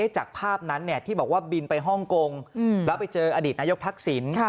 จากภาพนั้นที่บอกว่าบินไปฮ่องกงแล้วไปเจออดีตนายกทักษิณ